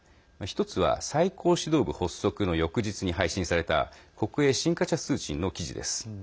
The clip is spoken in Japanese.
１つは最高指導部発足の翌日に配信された国営新華社通信の記事です。